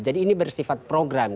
jadi ini bersifat program gitu